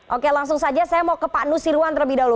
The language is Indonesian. oke langsung saja saya mau ke pak nusirwan terlebih dahulu